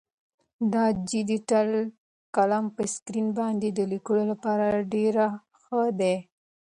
دا ډیجیټل قلم په سکرین باندې د لیکلو لپاره ډېر ښه دی.